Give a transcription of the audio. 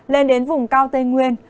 lên đến vùng cao tây nguyên